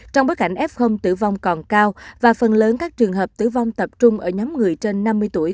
trong bối cảnh f tử vong còn cao và phần lớn các trường hợp tử vong tập trung ở nhóm người trên năm mươi tuổi